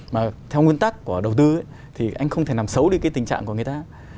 mà theo nguyên tắc của đầu tư thì anh không thể làm xấu đi cái tình trạng của người ta